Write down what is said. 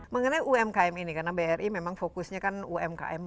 mengenai umkm ini karena bri memang fokusnya kan umkm